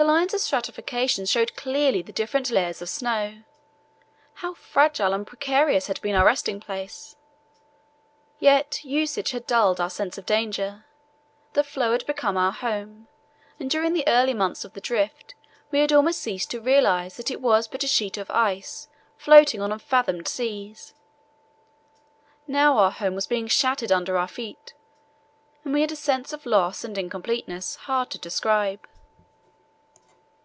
The lines of stratification showed clearly the different layers of snow. How fragile and precarious had been our resting place! Yet usage had dulled our sense of danger. The floe had become our home, and during the early months of the drift we had almost ceased to realize that it was but a sheet of ice floating on unfathomed seas. Now our home was being shattered under our feet, and we had a sense of loss and incompleteness hard to describe.